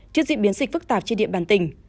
trước diễn biến dịch phức tạp trên địa bàn tỉnh